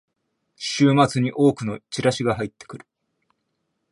週末に多くのチラシが入ってくる